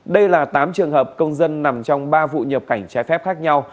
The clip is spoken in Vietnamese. đây là tám trường hợp công dân nằm trong ba vụ nhập cảnh trái phép khác nhau